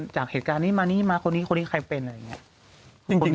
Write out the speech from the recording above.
จากเหตุการณ์นี้มานี้มาคนนี้คนนี้ใครเป็นอะไรอย่างนี้